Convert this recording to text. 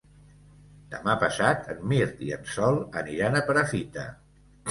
Demà passat en Mirt i en Sol aniran a Perafita.